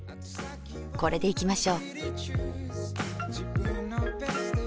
これでいきましょ。